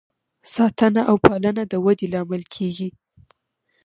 ساتنه او پالنه د ودې لامل کیږي.